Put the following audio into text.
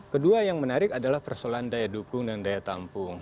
kedua yang menarik adalah persoalan daya dukung dan daya tampung